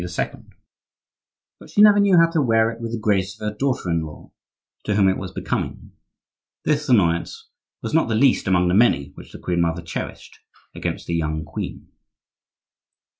But she never knew how to wear it with the grace of her daughter in law, to whom it was becoming. This annoyance was not the least among the many which the queen mother cherished against the young queen.